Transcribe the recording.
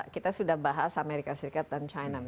kita sudah bahas amerika serikat dan china